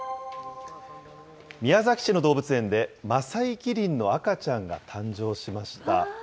宮崎市の動物園で、マサイキリンの赤ちゃんが誕生しました。